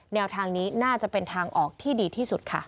แนวทางนี้น่าจะเป็นทางออกที่ดีที่สุดค่ะ